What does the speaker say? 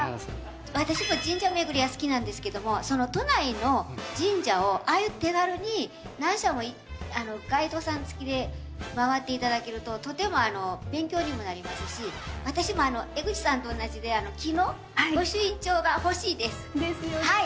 私も神社めぐりは好きなんですけどもその都内の神社をああいう手軽に何社もガイドさん付きで回っていただけるととても勉強にもなりますし私も江口さんと同じで木の御朱印帳が欲しいです。ですよね。